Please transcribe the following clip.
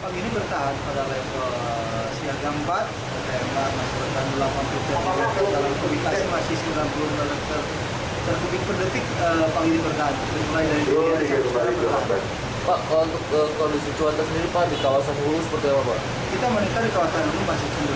pemilih bertahan pada level siaga empat berdaya empat masukan delapan puluh delapan meter dalam kubik asis sembilan puluh meter